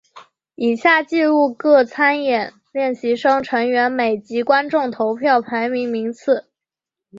以下记录各参演练习生成员每集观众投票排名名次。